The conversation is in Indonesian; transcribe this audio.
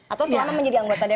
atau selama menjadi anggota dpr